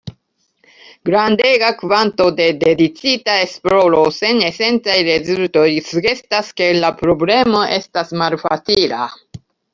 Grandega kvanto de dediĉita esploro sen esencaj rezultoj sugestas ke la problemo estas malfacila.